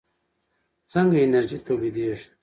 څنګه انرژي تولیدېږي؟